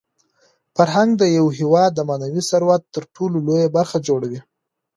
فرهنګ د یو هېواد د معنوي ثروت تر ټولو لویه برخه جوړوي.